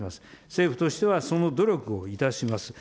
政府としてはその努力をいたします。